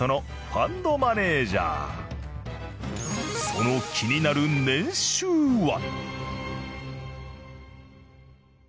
その気になる年収は？